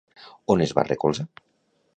On es va recolzar?